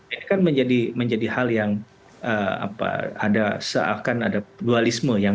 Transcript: ini kan menjadi hal yang seakan ada dualisme